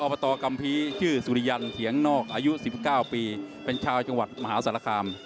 ตกัมภีร์ชื่อสุริยันเถียงนอกอายุ๑๙ปีเป็นชาวจังหวัดมหาสารคาม